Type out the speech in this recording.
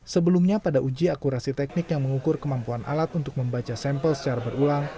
sebelumnya pada uji akurasi teknik yang mengukur kemampuan alat untuk membaca sampel secara berulang